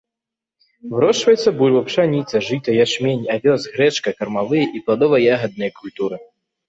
Вырошчваюцца бульба, пшаніца, жыта, ячмень, авёс, грэчка, кармавыя і пладова-ягадныя культуры.